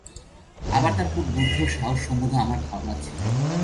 আবার তার কূটবুদ্ধি ও সাহস সম্বন্ধেও আমার ধারণা ছিল।